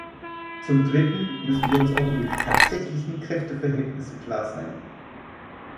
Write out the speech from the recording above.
Zum Dritten müssen wir uns auch über die tatsächlichen Kräfteverhältnisse klar sein.